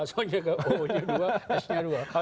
soalnya o nya dua s nya dua